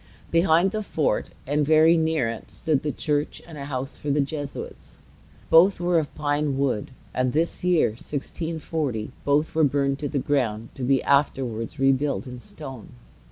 Behind the fort, and very near it, stood the church and a house for the Jesuits. Both were of pine wood; and this year, 1640, both were burned to the ground, to be afterwards rebuilt in stone.